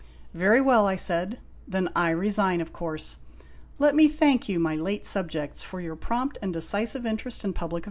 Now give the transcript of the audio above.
"Very well," I said. "Then I resign, of course. Let me thank you, my late subjects, for your prompt and decisive interest in public : f